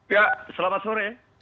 ya selamat sore